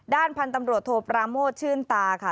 ด้านพันธุ์ตำรวจโทปราโมทชื่นตาค่ะ